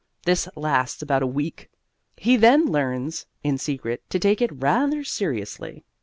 This lasts about a week. He then learns, in secret, to take it rather seriously.